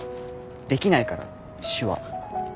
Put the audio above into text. できないから手話。